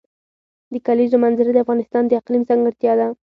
د کلیزو منظره د افغانستان د اقلیم ځانګړتیا ده.